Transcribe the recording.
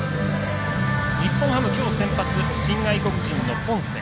日本ハム、きょう先発新外国人のポンセ。